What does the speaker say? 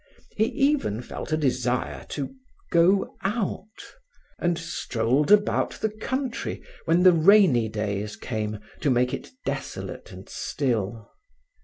He even felt a desire to go out, and strolled about the country when the rainy days came to make it desolate and still.